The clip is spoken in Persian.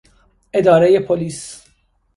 ادارهی پلیس